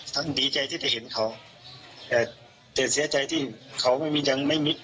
ทั้งดีใจที่ได้เห็นเขาแต่เสียใจที่เขาไม่มีชีวิต